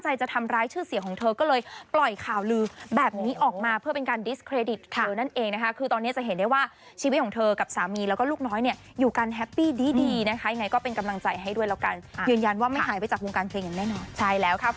ให้ด้วยแล้วกันยืนยันว่าไม่หายไปจากวงการเพลงแน่นอน